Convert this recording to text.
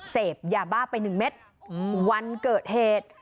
เสพยาบ้าไป๑เม็ดวันเกิดเหตุ